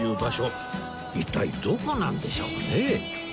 一体どこなんでしょうね？